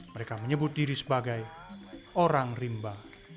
mereka menyebut diri sebagai orang rimba